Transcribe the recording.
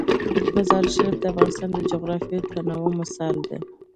مزارشریف د افغانستان د جغرافیوي تنوع مثال دی.